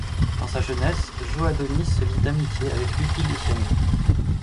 Dans sa jeunesse, Joe Adonis se lie d'amitié avec Lucky Luciano.